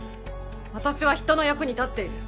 私は人の役に立っている。